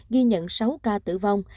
ghi nhận sáu ca tử vong